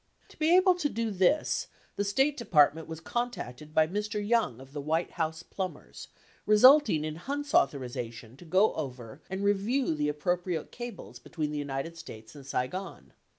To be able to do this, the State Department was con tacted by Mr. Young of the White House Plumbers, resulting in Hunt's authorization to go over and review the appropriate cables between the United States and Saigon.